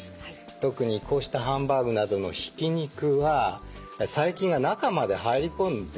特にこうしたハンバーグなどのひき肉は細菌が中まで入り込んでしまっています。